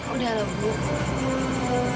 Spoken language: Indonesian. udah loh bu